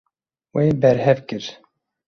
Wê berhev kir.